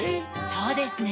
そうですね。